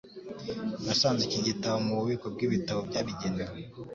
Nasanze iki gitabo mububiko bwibitabo byabigenewe.